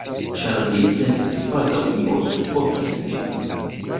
Ĉar mi sentis kvazaŭ io sufokis min.